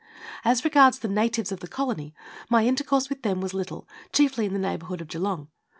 As regards the natives of the colony, my intercourse with them was little, chiefly in the neighbourhood of Geelong.